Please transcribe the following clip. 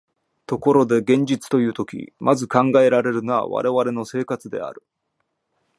ところで現実というとき、まず考えられるのは我々の生活である。